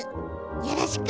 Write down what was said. よろしく！